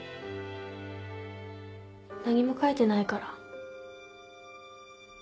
何も書いてないから。